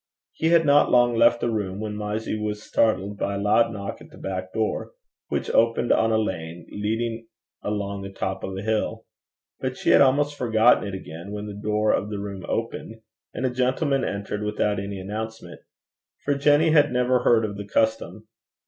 He had not long left the room when Mysie was startled by a loud knock at the back door, which opened on a lane, leading along the top of the hill. But she had almost forgotten it again, when the door of the room opened, and a gentleman entered without any announcement for Jenny had never heard of the custom.